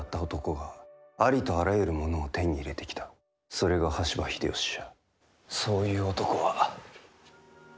それが羽柴秀吉じゃ。